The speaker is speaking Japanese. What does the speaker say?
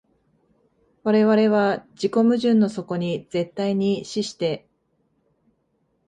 我々は自己矛盾の底に絶対に死して、